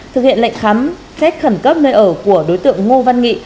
thực hiện lệnh khám xét khẩn cấp nơi ở của đối tượng ngô văn nghị